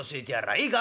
いいか？